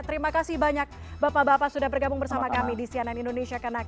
terima kasih banyak bapak bapak sudah bergabung bersama kami di cnn indonesia connecte